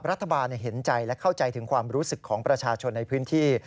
รัฐบาลเห็นใจและเข้าใจถึงความรู้สึกของประชาชนในพื้นที่